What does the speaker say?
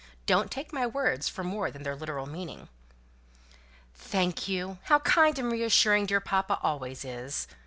Don't take my words for more than their literal meaning." "Thank you. How kind and reassuring dear papa always is!